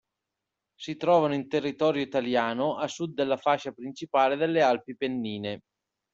Si trovano in territorio Italiano a sud della fascia principale delle Alpi Pennine.